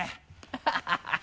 ハハハ